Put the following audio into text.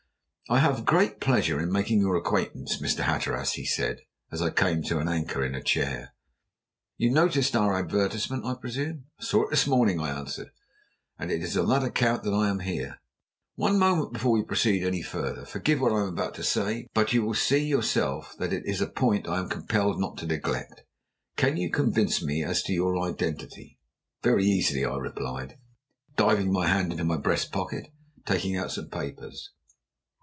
"I have great pleasure in making your acquaintance, Mr. Hatteras," he said, as I came to an anchor in a chair. "You noticed our advertisement, I presume?" "I saw it this morning," I answered. "And it is on that account I am here." "One moment before we proceed any further. Forgive what I am about to say but you will see yourself that it is a point I am compelled not to neglect. Can you convince me as to your identity?" "Very easily," I replied, diving my hand into my breast pocket and taking out some papers.